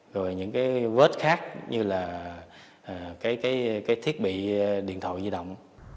rồi những cái vết khác như là cái thiết bị điện thoại di động